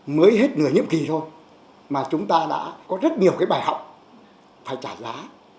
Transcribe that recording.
mới hết nửa nhiệm kỳ thôi mà chúng ta đã có rất nhiều cái bài học phải trả giá